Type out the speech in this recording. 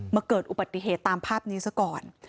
เกิดอุบัติเหตุตามภาพนี้ซะก่อน